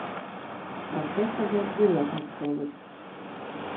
Профессор ден урядник толыт.